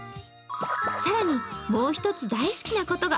更に、もう１つ大好きなことが。